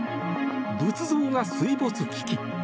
仏像が水没危機。